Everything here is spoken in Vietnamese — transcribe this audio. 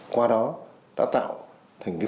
qua đó đã tạo thành phong trào phát triển